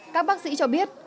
các bác sĩ cho biết